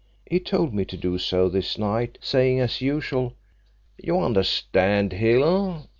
He told me to do so this night, saying as usual, 'You understand, Hill?'